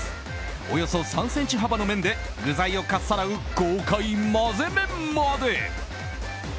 およそ３ｃｍの幅の麺で具材をかっさらう豪快まぜ麺まで。